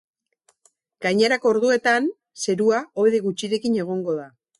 Gainerako orduetan, zerua hodei gutxirekin egongo da.